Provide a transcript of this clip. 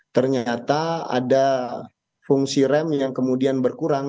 ternyata ada fungsi rem yang kemudian berkurang